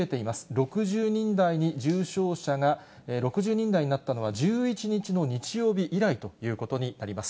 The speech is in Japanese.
６０人台に重症者が、６０人台になったのは、１１日の日曜日以来ということになります。